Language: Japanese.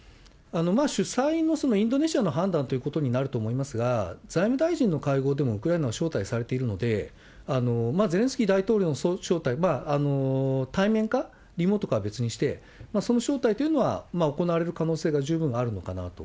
主宰のインドネシアの判断ということになると思いますが、財務大臣の会合でもウクライナは招待されているので、ゼレンスキー大統領の招待、対面かリモートかは別にして、その招待というのは行われる可能性が十分あるのかなと。